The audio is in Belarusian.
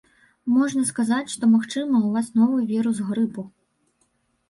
Можна сказаць, што, магчыма, ў вас новы вірус грыпу.